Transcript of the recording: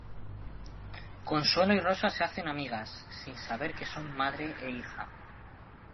Consuelo y Rosa se hacen amigas, sin saber que son madre e hija.